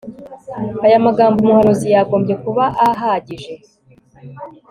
Aya magambo umuhanuzi yagombye kuba ahagije